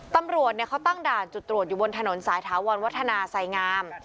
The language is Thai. ตำรวจเขาตั้งด่านจุดตรวจอยู่บนถนนสายถาวรวัฒนาไสงาม